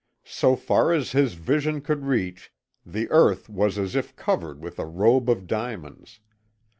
So far as his vision could reach the earth was as if covered with a robe of diamonds.